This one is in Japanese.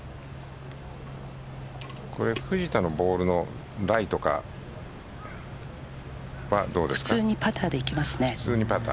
藤田のボールのライとかはどうですか？